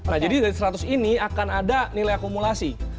nah jadi dari seratus ini akan ada nilai akumulasi